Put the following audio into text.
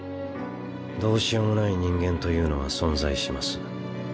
どうしようもない人間というのは存在します。